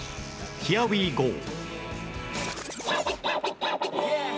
ヒアウィーゴー